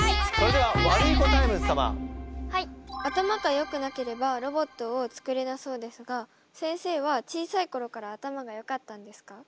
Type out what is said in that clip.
頭がよくなければロボットを作れなそうですが先生は小さい頃から頭がよかったんですか？